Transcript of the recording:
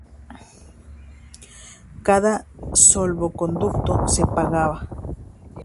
Cada salvoconducto se pagaba.